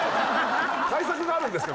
対策があるんですか？